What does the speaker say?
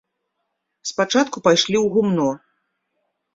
Спачатку пайшлі ў гумно.